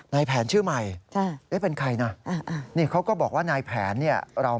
นี่เขาก็บอกว่านายแผนเราไม่บอกชื่อจริง